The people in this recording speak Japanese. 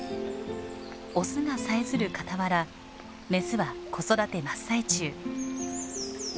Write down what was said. オスがさえずる傍らメスは子育て真っ最中。